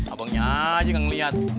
abangnya aja gak ngelihat